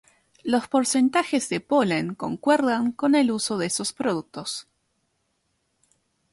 Los porcentajes de polen concuerdan con el uso de esos productos.